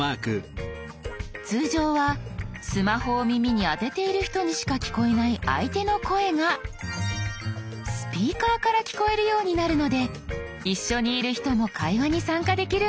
通常はスマホを耳に当てている人にしか聞こえない相手の声がスピーカーから聞こえるようになるので一緒にいる人も会話に参加できるんです。